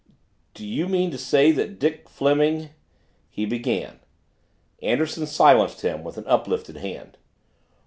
"Do you mean to say that Dick Fleming " he began. Anderson silenced him with an uplifted hand.